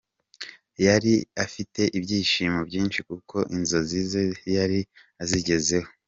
Yari afite ibyishimo byinshi kuko inzozi ze yari azigezeho.